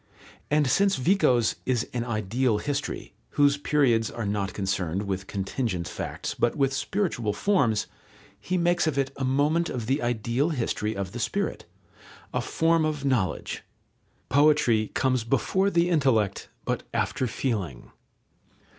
And since Vico's is an ideal history, whose periods are not concerned with contingent facts, but with spiritual forms, he makes of it a moment of the ideal history of the spirit, a form of knowledge. Poetry comes before the intellect, but after feeling.